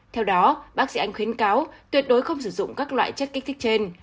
theo đó bác sĩ anh khuyến cáo tuyệt đối không sử dụng các loại chất kích thích trên